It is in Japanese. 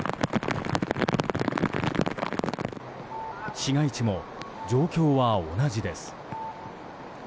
市街地も状況は同じです。